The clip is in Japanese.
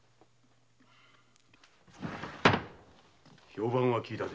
評判は聞いたぜ。